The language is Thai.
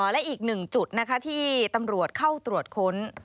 และอีกหนึ่งจุดนะคะที่ตำรวจเข้าตรวจค้น